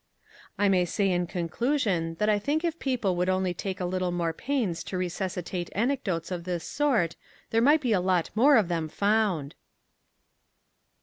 '" I may say in conclusion that I think if people would only take a little more pains to resuscitate anecdotes of this sort, there might be a lot more of them found.